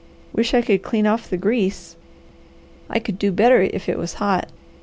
Wish I could clean off the grease! I could do better if it was hot.